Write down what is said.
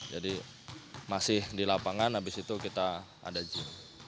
jadi masih di lapangan habis itu kita ada gym